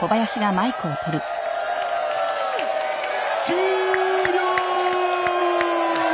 終了！